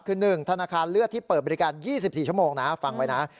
คือ๑ธนาคารเลือดที่เปิดบริการ๒๔ชั่วโมงนะฟังไว้นะ